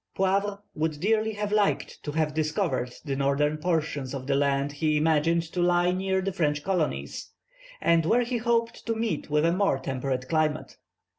Poivre would dearly have liked to have discovered the northern portion of the lands he imagined to lie near the French colonies, and where he hoped to meet with a more temperate climate.